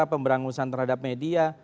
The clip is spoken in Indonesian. pemberangusan terhadap media